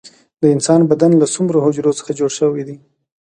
د انسان بدن له څومره حجرو څخه جوړ شوی دی